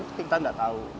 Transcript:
tapi kita gak tau